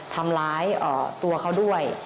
ทำร้ายตัวเขาด้วย